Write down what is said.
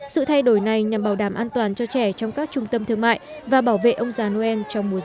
sự thay đổi này nhằm bảo đảm an toàn cho trẻ trong các trung tâm thương mại và bảo vệ ông già noel trong mùa dịch